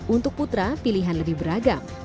untuk putra pilihan lebih beragam